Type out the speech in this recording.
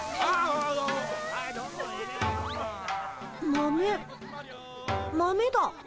豆豆だ。